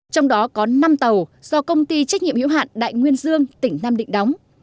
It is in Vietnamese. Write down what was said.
trong đó có năm tàu do công ty trách nhiệm hiệu hạn đại nguyên dương tỉnh nam định đóng